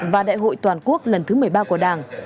và đại hội toàn quốc lần thứ một mươi ba của đảng